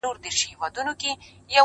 بنده و خپل عمل.